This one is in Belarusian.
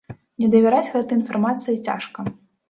Не давераць гэтай інфармацыі цяжка.